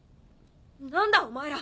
何だお前ら！